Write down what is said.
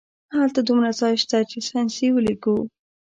هلته دومره ځای شته چې ساینسي ولیکو